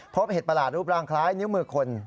เห็ดประหลาดรูปร่างคล้ายนิ้วมือคน